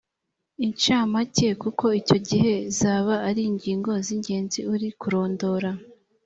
inshamake kuko icyo gihe zaba ari ingingo z ingenzi uri kurondora